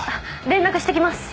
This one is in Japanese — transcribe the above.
連絡してきます。